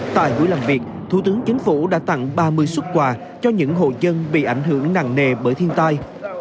tại buổi làm việc thủ tướng chính phủ đã tặng ba mươi xuất quà cho những hộ dân bị ảnh hưởng nặng nề bởi thiên tai